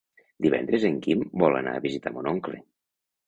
Divendres en Guim vol anar a visitar mon oncle.